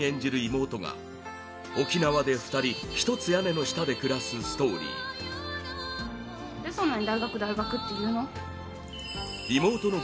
妹が沖縄で２人、１つ屋根の下で暮らすストーリーカオル：何で、そんなに「大学、大学」って言うの？